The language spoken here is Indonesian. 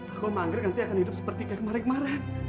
aku sama anggrek nanti akan hidup seperti kemarin kemarin